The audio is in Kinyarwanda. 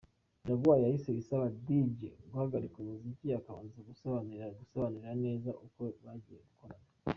Jaguar yahise asaba Dj guhagarika umuziki akabanza kumusobanurira neza uko bagiye gukorana.